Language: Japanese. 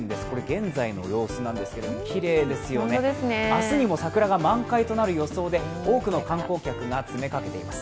現在の様子なんですけれども、きれいですよね、明日にも桜が満開となる予想で、多くの観光客が詰めかけています。